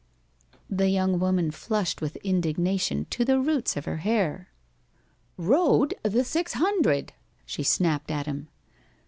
The young woman flushed with indignation to the roots of her hair. "Rode the six hundred," she snapped at him.